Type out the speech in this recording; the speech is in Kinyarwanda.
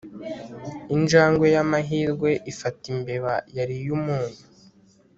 injangwe y'amahirwe ifata imbeba yariye umunyu